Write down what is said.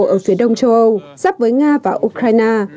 ở phía đông châu âu sắp với nga và ukraine